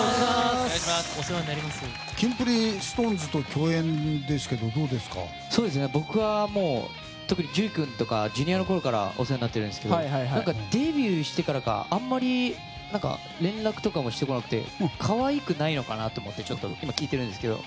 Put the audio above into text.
キンプリＳｉｘＴＯＮＥＳと共演ですが僕は特に樹君とかにはＪｒ．のころからお世話になってるんですけどデビューしてからかあんまり連絡とかもしてこなくて可愛くないのかな？って思って聞いてみたんですけど。